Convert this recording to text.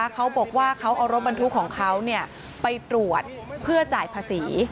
เขาบอกว่าเขาเอารถบรรทุกของเขาไปตรวจเพื่อจ่ายภาษี